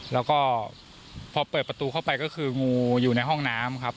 แล้วก็พอเปิดประตูเข้าไปก็คืองูอยู่ในห้องน้ำครับ